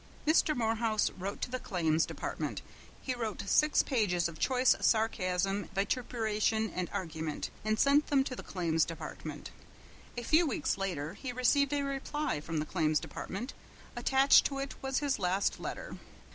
Mr. Morehouse wrote to the Claims Department. He wrote six pages of choice sarcasm, vituperation and argument, and sent them to the Claims Department. A few weeks later he received a reply from the Claims Department. Attached to it was his last letter.